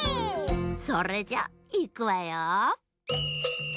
それじゃいくわよ。